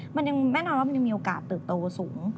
แม่นอนว่ามันยังมีโอกาสเติบโตสูง